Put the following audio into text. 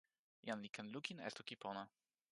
jan li ken lukin e toki pona.